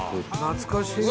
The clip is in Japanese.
懐かしい！